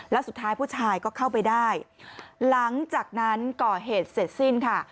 แล้วสุดท้ายผู้ชายก็เข้าไปได้หลังจากนั้นก่อเหตุเสร็จสิ้นค่ะ